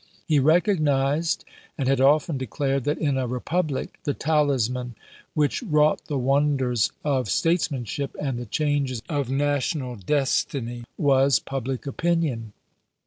He recognized, and had often declared, that in a republic the talisman which wrought the wonders of statesmanship and the changes of national destiny was public opinion.